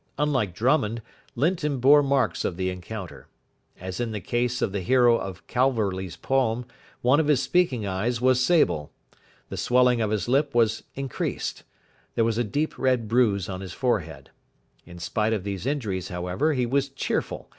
Unlike Drummond, Linton bore marks of the encounter. As in the case of the hero of Calverley's poem, one of his speaking eyes was sable. The swelling of his lip was increased. There was a deep red bruise on his forehead. In spite of these injuries, however, he was cheerful.